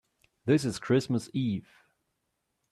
This is Christmas Eve.